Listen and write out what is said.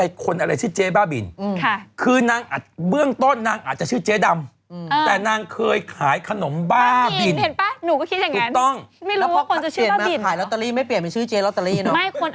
ไม่คนอาจจะแบบเคยเจออยู่ในตลาดแล้วก็เรียกชื่อนี้กันมาอะไรแบบนี้ไหม